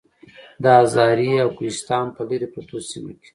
د هزارې او کوهستان پۀ لرې پرتو سيمو کې